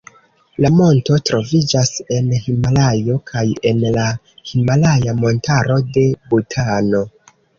La monto troviĝas en Himalajo kaj en la himalaja montaro de Butano.